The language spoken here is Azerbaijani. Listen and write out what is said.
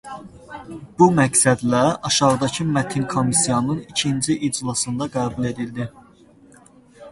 Bu məqsədlə aşağıdakı mətin komissiyanın ikinci iclasında qəbul edildi.